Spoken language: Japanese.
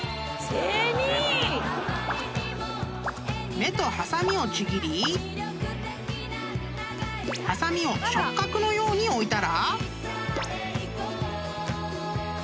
［目とはさみをちぎりはさみを触角のように置いたら］